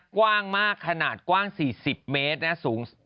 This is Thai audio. กว้างมากขนาดกว้าง๔๐เมตร